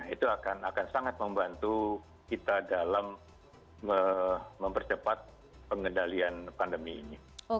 itu akan sangat membantu kita dalam mempercepat pengendalian pandemi ini